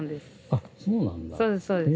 あっそうなんだ。